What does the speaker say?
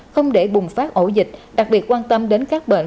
không để bùng phát ổ dịch đặc biệt quan tâm đến các bệnh